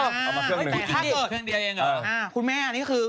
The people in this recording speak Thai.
แต่ถ้าเกิดเครื่องเดียวเองอ่ะคุณแม่อ่ะนี่คือ